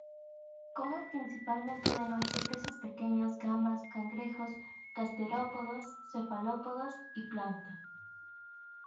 Come principalmente de noche peces pequeños, gambas, cangrejos, gasterópodos, cefalópodos y plancton.